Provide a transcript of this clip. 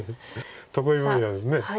得意分野です。